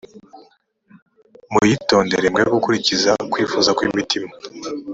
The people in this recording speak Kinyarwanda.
muyitondere mwe gukurikiza kwifuza kw’imitima